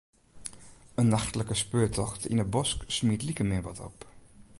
In nachtlike speurtocht yn 'e bosk smiet likemin wat op.